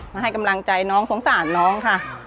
มาให้กำลังใจน้องสงสารน้องค่ะ